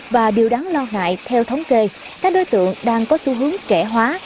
và điều đáng lo ngại theo thống kê các đối tượng đang có xu hướng trẻ hóa